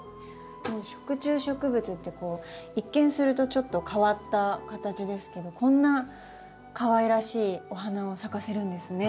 食虫植物ってこう一見するとちょっと変わった形ですけどこんなかわいらしいお花を咲かせるんですね。